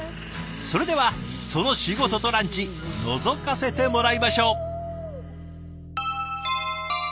それではその仕事とランチのぞかせてもらいましょう。